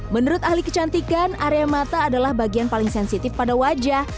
menurut ahli kecantikan area mata adalah bagian paling sensitif pada wajah